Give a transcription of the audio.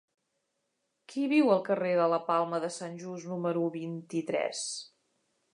Qui viu al carrer de la Palma de Sant Just número vint-i-tres?